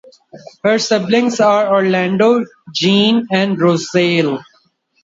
Her siblings are Orlando, Jean, and Rosalie.